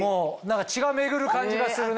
血が巡る感じがするね。